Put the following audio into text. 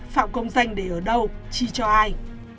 phạm công danh để ở đâu chi cho ai